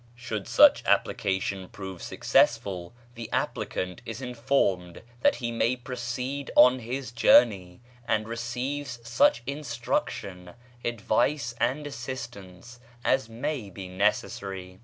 Should such application prove successful, the applicant is informed that he may proceed on his journey, and receives such instruction, advice, and assistance as may be necessary.